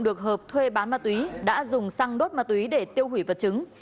được hợp thuê bán ma túy đã dùng xăng đốt ma túy để tiêu hủy vật chứng